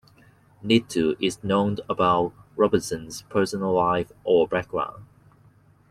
Little is known about Robinson's personal life or background.